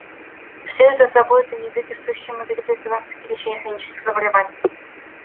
Следует разработать и внедрить устойчивые модели профилактики и лечения хронических заболеваний.